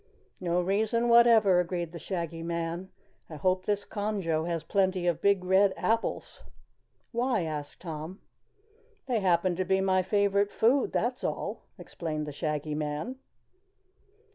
"No reason whatever," agreed the Shaggy Man. "I hope this Conjo has plenty of big red apples." "Why?" asked Tom. "They happen to be my favorite food, that's all," explained the Shaggy Man.